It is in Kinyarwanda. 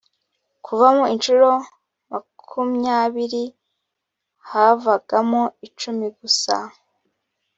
kuvamo incuro makumyabiri havagamo icumi gusa